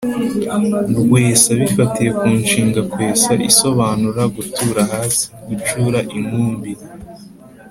rwesa: bifatiye ku inshinga “kwesa” isobanura gutura hasi, gucura inkumbi,